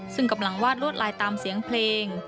ซึ่งกำลังวาดลวดลายตามเสียงเพลง